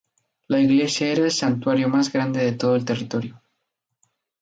La iglesia era el santuario más grande de todo el territorio.